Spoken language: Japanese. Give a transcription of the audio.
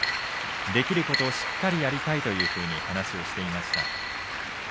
できることをしっかりやりたいというふうに話をしていました。